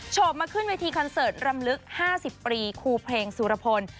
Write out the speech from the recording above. บมาขึ้นเวทีคอนเสิร์ตรำลึก๕๐ปีครูเพลงสุรพล